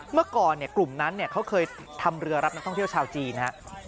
เมื่อก่อนกลุ่มนั้นเขาเคยทำเรือรับนักท่องเที่ยวชาวจีนฮะ